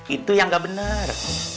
itu yang gak bener